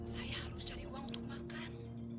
saya harus cari uang untuk makan